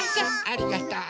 ありがとう。